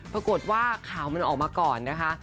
ปรากฏว่าข่าวมันออกมาก่อนนะคะ